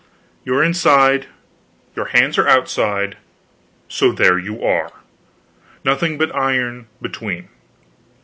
You are inside, your hands are outside; so there you are; nothing but iron between.